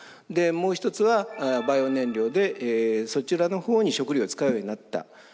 でもう一つはバイオ燃料でそちらの方に食料を使うようになった。